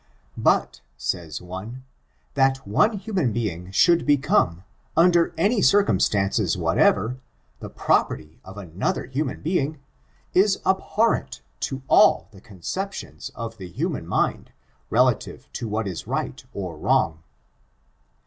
But, says one, that one human being should become, under any circumstances whatever, the property of another human being, is abhorrent to all the concep tions of the human mind relative to what is right or wrong.